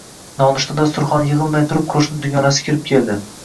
Nonushta dasturxoni yigʻilmay turib qoʻshni dugonasi kirib keldi